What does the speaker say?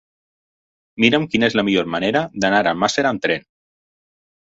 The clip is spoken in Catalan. Mira'm quina és la millor manera d'anar a Almàssera amb tren.